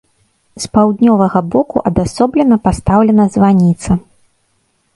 З паўднёвага боку адасоблена пастаўлена званіца.